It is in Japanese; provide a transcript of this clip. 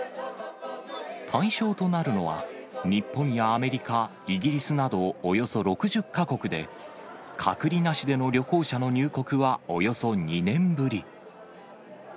対象となるのは、日本やアメリカ、イギリスなどおよそ６０か国で、隔離なしでの旅行者の入国はおよそ２年ぶり。